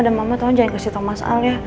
dan mama tolong jangan kasih tau mas al ya